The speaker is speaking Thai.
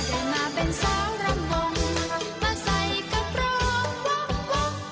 อายุ๑๕มาเป็นสาวรำวงใส่กระปุงวับเฟม